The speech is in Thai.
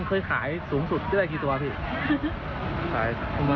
ร้อยกว่าอ่ะ